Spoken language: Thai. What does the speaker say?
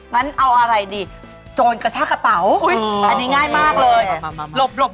งั้นเอาอะไรดีโจรกระชากระเป๋าอันนี้ง่ายมากเลยหลบหลบ